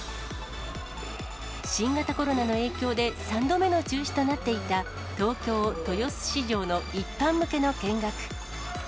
新型コロナの影響で、３度目の中止となっていた東京・豊洲市場の一般向けの見学。